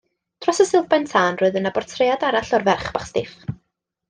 Dros y silff ben tân roedd yna bortread arall o'r ferch fach stiff.